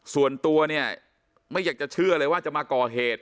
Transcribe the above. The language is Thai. ส่วนตัวเนี่ยไม่อยากจะเชื่อเลยว่าจะมาก่อเหตุ